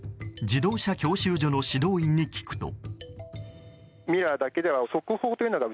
自動車教習所の指導員に聞くと。